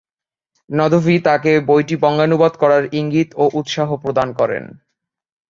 নদভী তাকে বইটি বঙ্গানুবাদ করার ইঙ্গিত ও উৎসাহ প্রদান করেন।